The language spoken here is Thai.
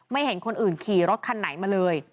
เห็นคนอื่นขี่รถคันไหนมาเลย